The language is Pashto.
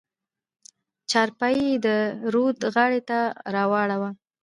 چارپايي يې د رود غاړې ته راوړه.